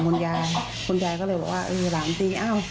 คุณยายคุณยายก็เลยบอกว่าเออหลานตีอ้าว